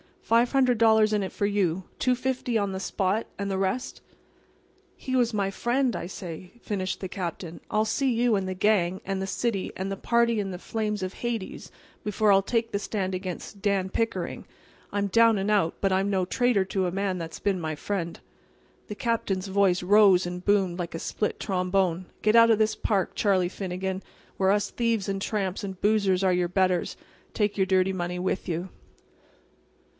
"Five hundred dollars in it for you. Two fifty on the spot, and the rest"— "He was my friend, I say," finished the Captain. "I'll see you and the gang, and the city, and the party in the flames of Hades before I'll take the stand against Dan Pickering. I'm down and out; but I'm no traitor to a man that's been my friend." The Captain's voice rose and boomed like a split trombone. "Get out of this park, Charlie Finnegan, where us thieves and tramps and boozers are your betters; and take your dirty money with you."